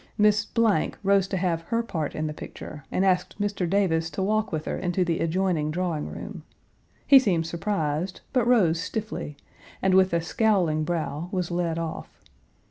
Miss rose to have her part in the picture, and asked Mr. Davis to walk with her into the adjoining drawing room. He seemed surprised, but rose stiffly, and, with a scowling brow, was led off.